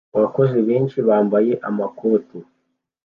Abakozi benshi bambaye amakoti